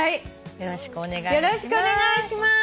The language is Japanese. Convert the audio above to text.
よろしくお願いします。